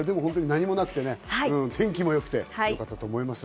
何もなくて、天気も良くて良かったと思います。